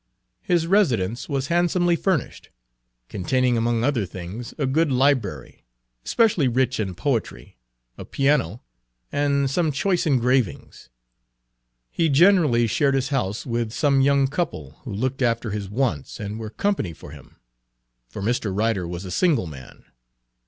His residence was handsomely furnished, containing among other things a good library, especially rich in poetry, a piano, and some Page 5 choice engravings. He generally shared his house with some young couple, who looked after his wants and were company for him; for Mr. Ryder was a single man.